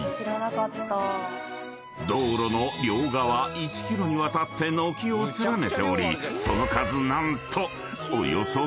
［道路の両側１ｋｍにわたって軒を連ねておりその数何と］